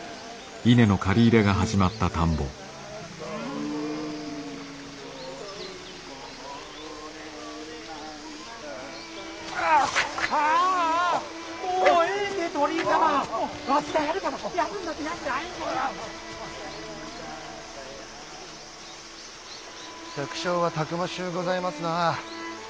百姓はたくましゅうございますなぁ。